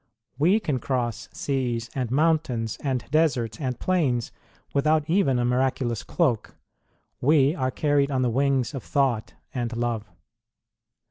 We can cross seas and mountains and deserts and plains with out even a miraculous cloak; we are carried on the wings of thought and love.